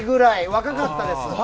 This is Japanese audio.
若かったです。